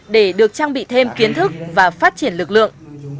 để được trang bị thêm kiến thức và phát triển lực lượng